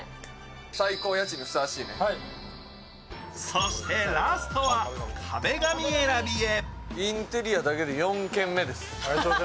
そしてラストは壁紙選びへ。